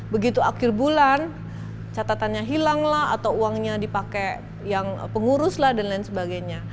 begitu akhir bulan catatannya hilang lah atau uangnya dipakai yang pengurus lah dan lain sebagainya